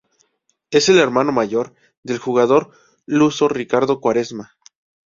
Es el hermano mayor del jugador luso Ricardo Quaresma.